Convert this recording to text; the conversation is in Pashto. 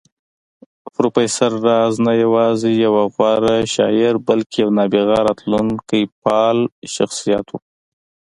پروفېسر راز نه يوازې يو غوره شاعر بلکې يو نابغه راتلونکی پال شخصيت و